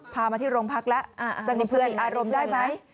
มาที่โรงพักแล้วสงบสติอารมณ์ได้ไหม